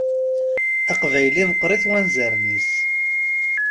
Aqbayli meqqeṛ-it wanzaren-is.